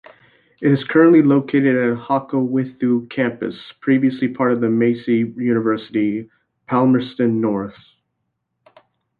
It is currently located at Hokowhitu Campus, previously part of Massey University, Palmerston North.